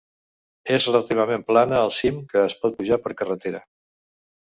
És relativament plana al cim, que es pot pujar per carretera.